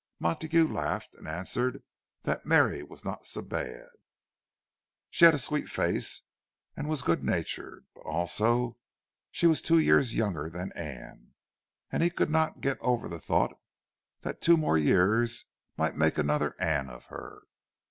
Montague laughed, and answered that Mary was not so bad—she had a sweet face and was good natured; but also, she was two years younger than Anne; and he could not get over the thought that two more years might make another Anne of her.